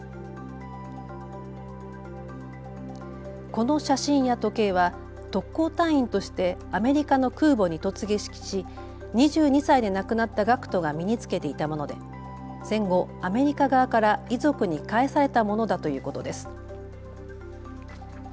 この写真や時計は特攻隊員としてアメリカの空母に突撃し２２歳で亡くなった学徒が身に着けていたもので戦後、アメリカ側から遺族に返されたものだということです。